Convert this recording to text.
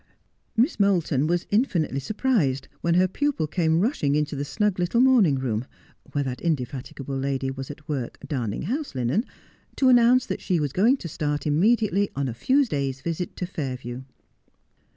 Miss Moulton was infinitely surprised when her pupil came rushing into the snug little morning room where that indefatig able lady was at work darning house linen, to announce that she was going to start immediately on a few days' visit to Fairview.